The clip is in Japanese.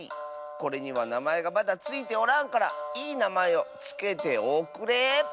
これにはなまえがまだついておらんからいいなまえをつけておくれ。